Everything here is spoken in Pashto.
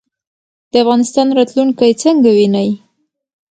د افغانستان راتلونکی څنګه وینئ؟